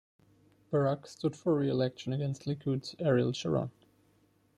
Barak stood for re-election against Likud's Ariel Sharon.